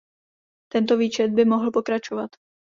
Tento výčet by mohl pokračovat.